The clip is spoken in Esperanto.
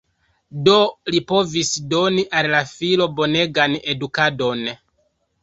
Do, li povis doni al la filo bonegan edukadon.